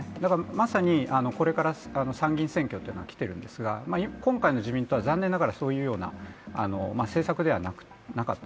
まさにこれから参議院選挙が来ているんですが、今回の自民党は残念ながらそういうような政策ではなかった。